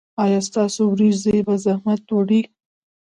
ایا ستاسو ورېځې به رحمت وي؟